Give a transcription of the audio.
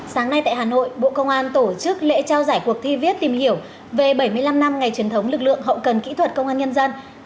sáng nay tại hà nội bộ công an tổ chức lễ trao giải cuộc thi viết tìm hiểu về bảy mươi năm năm ngày truyền thống lực lượng hậu cần kỹ thuật công an nhân dân